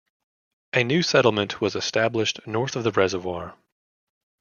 A new settlement was established north of the reservoir.